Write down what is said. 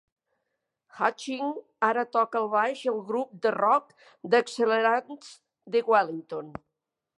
Hutching ara toca el baix al grup de rock The Accelerants, de Wellington.